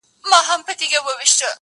• کرۍ ورځ پر باوړۍ ګرځي ګړندی دی -